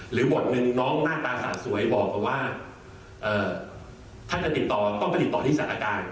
หรือบทหนึ่งน้องหน้าตาสะสวยบอกว่าถ้าจะติดต่อต้องไปติดต่อที่ศักดิ์อาการ